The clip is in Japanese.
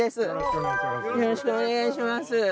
よろしくお願いします。